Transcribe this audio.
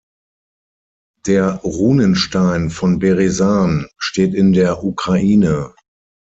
Der Runenstein von Beresan steht in der Ukraine.